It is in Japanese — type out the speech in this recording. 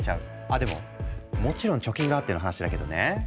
あでももちろん貯金があっての話だけどね。